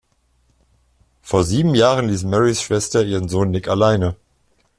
Vor sieben Jahren ließ Murrays Schwester ihren Sohn Nick alleine.